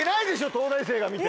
東大生が見て。